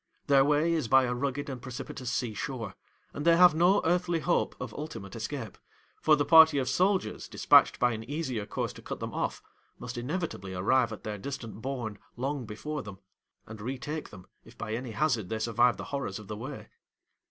Their way is by a rugged and precipitous sea shore, and they have no earthly hope of ultimate escape, for the party of soldiers despatched by an easier course to cut them off, must inevitably arrive at their distant bourne long before them, and retake them if by any hazard they survive the horrors of the way.